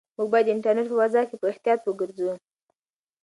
موږ باید د انټرنيټ په فضا کې په احتیاط وګرځو.